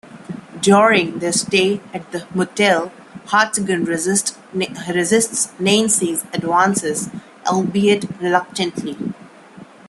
During their stay at the motel, Hartigan resists Nancy's advances, albeit reluctantly.